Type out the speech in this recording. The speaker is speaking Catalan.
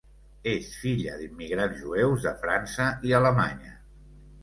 És filla d'immigrants jueus de França i Alemanya.